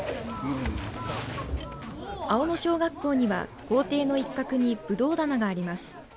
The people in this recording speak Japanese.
青野小学校には校庭の一角にぶどう棚があります。